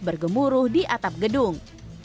bergemuruh di atap gedung